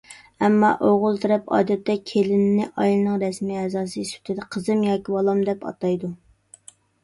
ئەمما ئوغۇل تەرەپ ئادەتتە كېلىننى ئائىلىنىڭ رەسمىي ئەزاسى سۈپىتىدە «قىزىم ياكى بالام» دەپ ئاتايدۇ.